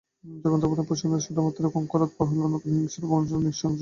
যুগযুগান্তরের পেষণের ফলে শূদ্রমাত্রেই হয় কুক্কুরবৎ পদলেহক, নতুবা হিংস্র-পশুবৎ নৃশংস।